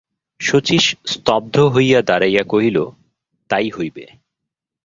শচীশ স্তব্ধ হইয়া দাঁড়াইয়া কহিল, তাই হইবে।